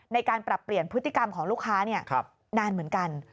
ในการปรับเปลี่ยนพฤติกรรมของลูกค้านานเหมือนกัน